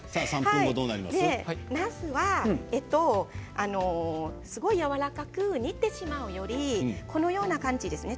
なすはすごくやわらかく煮てしまうよりこのような感じですね